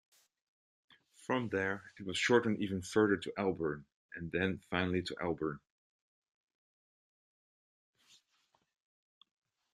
From there, it was shortened even further to Elburne, and then finally to Elburn.